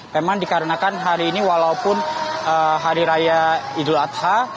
memang dikarenakan hari ini walaupun hari raya idul adha